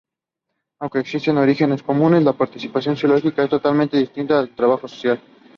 Aunque existen orígenes comunes, la práctica sociológica es totalmente distinta del trabajo social.